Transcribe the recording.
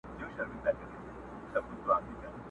ناز دي کمه سوله دي کم جنګ دي کم!.